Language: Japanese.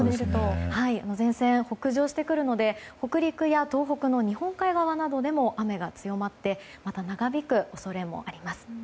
前線、北上してくるので北陸や東北の日本海側などでも雨が強まってまた長引く恐れもあります。